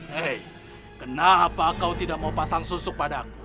hei kenapa kau tidak mau pasang susu padaku